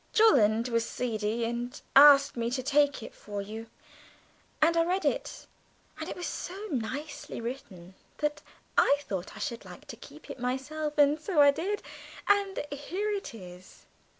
Jolland was seedy and asked me to take it for you, and I read it, and it was so nicely written that I thought I should like to keep it myself, and so I did and here it is!"